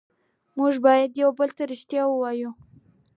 موږ باید یو بل ته ریښتیا ووایو